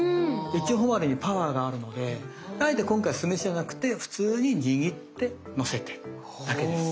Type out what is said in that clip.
いちほまれにパワーがあるのであえて今回酢飯じゃなくて普通に握ってのせてだけです。